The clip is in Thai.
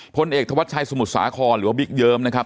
พลเอกธวัชชัยสมุทรสาครหรือว่าบิ๊กเยิ้มนะครับ